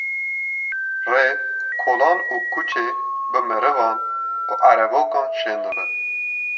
Rê, kolan û kuçe bi merivan û erebokan şên dibe.